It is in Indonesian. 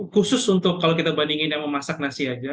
khusus untuk kalau kita bandingin yang memasak nasi aja